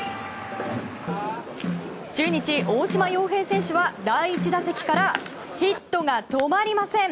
中日、大島洋平選手は第１打席からヒットが止まりません！